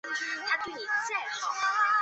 后以郎中身份跟从朱文正镇守南昌。